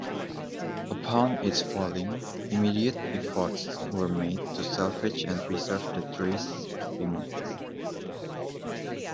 Upon its falling, immediate efforts were made to salvage and preserve the tree's remains.